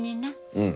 うん。